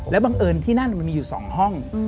บังเอิญที่นั่นมันมีอยู่๒ห้อง